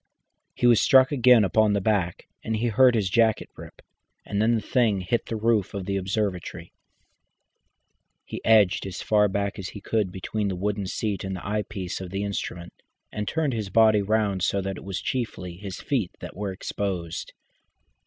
He was struck again upon the back, and he heard his jacket rip, and then the thing hit the roof of the observatory. He edged as far as he could between the wooden seat and the eyepiece of the instrument, and turned his body round so that it was chiefly his feet that were exposed.